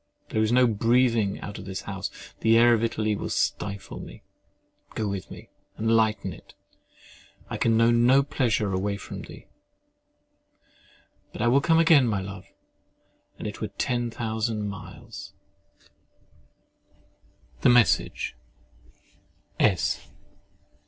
There is no breathing out of this house: the air of Italy will stifle me. Go with me and lighten it. I can know no pleasure away from thee— "But I will come again, my love, An' it were ten thousand mile!" THE MESSAGE S.